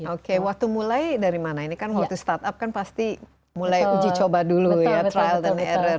oke waktu mulai dari mana ini kan waktu startup kan pasti mulai uji coba dulu ya trial and error